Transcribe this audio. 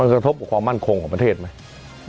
กระทบกับความมั่นคงของประเทศไหม